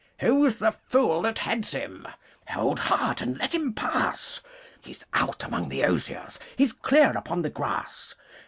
'Who's the fool that heads him?' Hold hard, and let him pass! He's out among the oziers He's clear upon the grass.